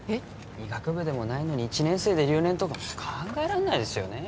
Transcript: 医学部でもないのに１年生で留年とか考えらんないですよね